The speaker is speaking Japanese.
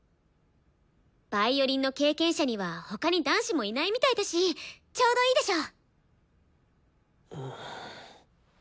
ヴァイオリンの経験者には他に男子もいないみたいだしちょうどいいでしょ。